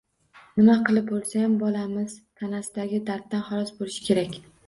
Nima qilib bo‘lsayam, bolamiz tanasidagi darddan xalos bo‘lishi kerak.